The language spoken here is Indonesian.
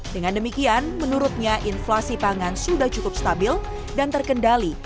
dengan demikian menurutnya inflasi pangan sudah cukup stabil dan terkendali